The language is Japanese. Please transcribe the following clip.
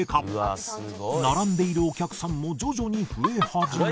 並んでいるお客さんも徐々に増え始め